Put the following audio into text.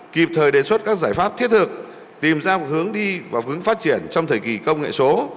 kịp thời đề xuất các giải pháp thiết thực tìm ra một hướng đi và hướng phát triển trong thời kỳ công nghệ số